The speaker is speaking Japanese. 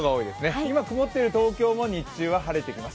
今、曇っている東京も日中は晴れてきます。